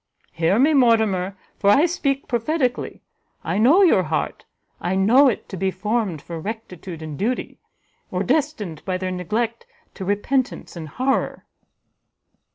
Hear me, Mortimer, for I speak prophetically; I know your heart, I know it to be formed for rectitude and duty, or destined by their neglect to repentance and horror."